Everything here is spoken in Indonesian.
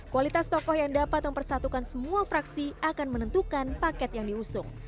kualitas tokoh yang dapat mempersatukan semua fraksi akan menentukan paket yang diusung